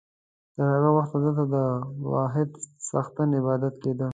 تر هغه وخته دلته د واحد څښتن عبادت کېده.